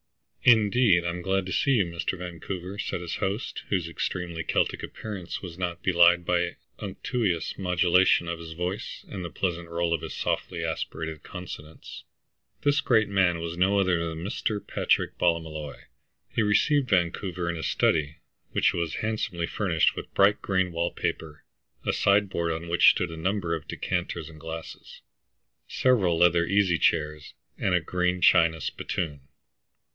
"Indeed, I'm glad to see you, Mr. Vancouver," said his host, whose extremely Celtic appearance was not belied by unctuous modulation of his voice, and the pleasant roll of his softly aspirated consonants. This great man was no other than Mr. Patrick Ballymolloy. He received Vancouver in his study, which was handsomely furnished with bright green wall paper, a sideboard on which stood a number of decanters and glasses, several leather easy chairs, and a green china spittoon.